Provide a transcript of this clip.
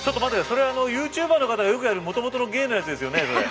それＹｏｕＴｕｂｅｒの方がよくやるもともとの芸のやつですよねそれ。